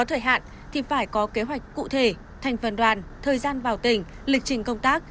thời hạn thì phải có kế hoạch cụ thể thành phần đoàn thời gian vào tỉnh lịch trình công tác